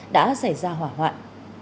đã xảy ra hỏa hoạn